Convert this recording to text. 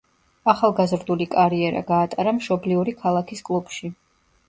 ახალგაზრდული კარიერა გაატარა მშობლიური ქალაქის კლუბში.